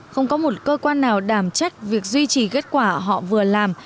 không có một cơ quan nào đảm trách việc duy trì kết quả họ vừa làm